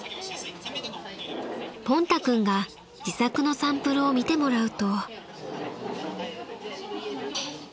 ［ポンタ君が自作のサンプルを見てもらうと］